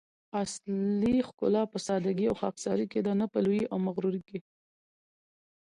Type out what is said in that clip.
اصلي ښکلا په سادګي او خاکساري کی ده؛ نه په لويي او مغروري کي